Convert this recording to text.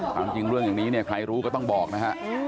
ความจริงเรื่องอย่างนี้เนี่ยใครรู้ก็ต้องบอกนะฮะ